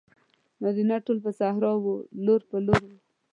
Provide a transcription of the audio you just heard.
نارینه ټول پر صحرا وو لور په لور وو.